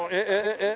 えっ！？